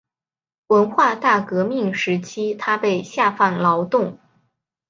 文化大革命时期他被下放劳动。